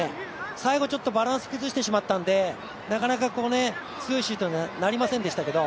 最後ちょっとバランス崩してしまったのでなかなか、強いシュートにはなりませんでしたけど。